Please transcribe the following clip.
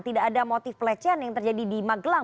tidak ada motif pelecehan yang terjadi di magelang